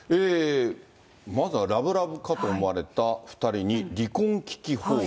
まずはラブラブかと思われた２人に、離婚危機報道。